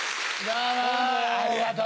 ありがとう。